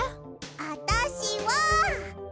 あたしは。